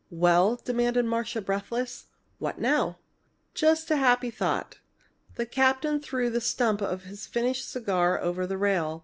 "Well?" demanded Marcia, breathless. "What now?" "Just had a happy thought!" The captain threw the stump of his finished cigar over the rail.